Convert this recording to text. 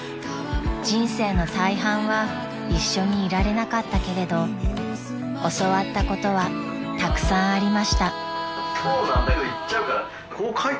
［人生の大半は一緒にいられなかったけれど教わったことはたくさんありました］